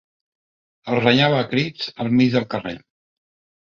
El renyava a crits al mig del carrer.